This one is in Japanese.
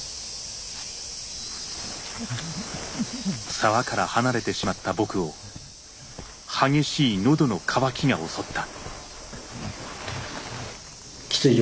沢から離れてしまった僕を激しい喉の渇きが襲った。